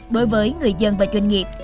đối với người dân và doanh nghiệp